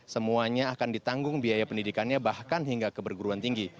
semuanya akan ditanggung biaya pendidikannya bahkan hingga keberguruan tinggi